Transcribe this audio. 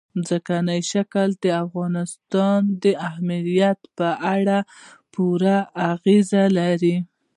ځمکنی شکل د افغانستان د امنیت په اړه هم پوره اغېز لري.